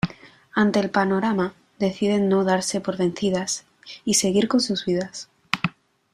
Ante el panorama deciden no darse por vencidas y seguir con sus vidas.